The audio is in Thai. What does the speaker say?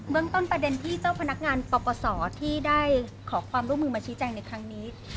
เรื่องต้นประเด็นที่เจ้าพนักงานปปศที่ได้ขอความร่วมมือมาชี้แจงในครั้งนี้